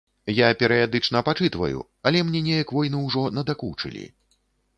Я перыядычна пачытваю, але мне неяк войны ўжо надакучылі.